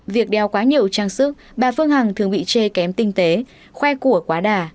việc đeo quá nhiều trang sức bà phương hằng thường bị che kém tinh tế khoe của quá đà